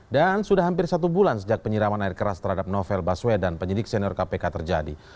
dan sudah hampir satu bulan sejak penyiraman air keras terhadap novel baswedan penyidik senior kpk terjadi